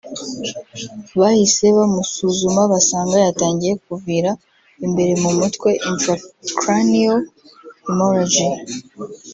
Bahise bamusuzuma basanga yatangiye kuvira imbere mu mutwe (Intracranial Hemorrhage)